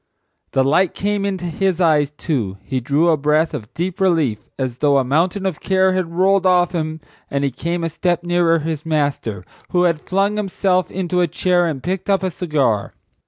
The light came into his eyes too. He drew a breath of deep relief as though a mountain of care had rolled off him, and he came a step nearer his master, who had flung himself into a chair and picked up a cigar.